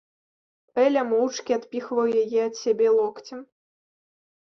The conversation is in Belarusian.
Эля моўчкі адпіхваў яе ад сябе локцем.